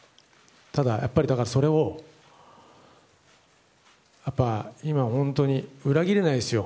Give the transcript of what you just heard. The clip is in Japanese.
ただ、やっぱり本当に裏切れないですよ。